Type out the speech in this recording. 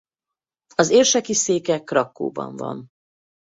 Az érseki széke Krakkóban van.